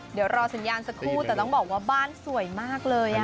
เดี๋ยวรอสัญญาณสักครู่แต่ต้องบอกว่าบ้านสวยมากเลย